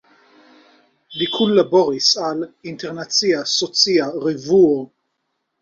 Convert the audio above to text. Li kunlaboris al "Internacia Socia Revuo.